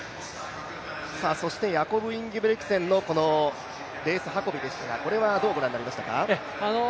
そしてヤコブ・インゲブリクセンのレース運びですが、どうご覧になりましたか？